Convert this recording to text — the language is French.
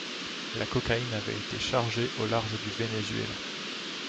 La cocaïne avait été chargée au large du Venezuela.